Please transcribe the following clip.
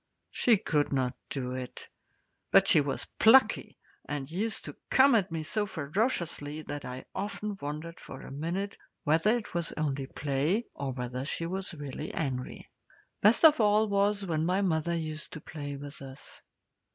She could not do it; but she was plucky, and used to come at me so ferociously that I often wondered for a minute whether it was only play or whether she was really angry. Best of all was when mother used to play with us.